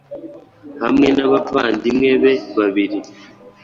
Hamwe n’abavandimwe be babiri